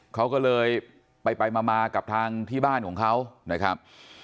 เขาก็เลยไปมากับทางที่บ้านของเขานะครับ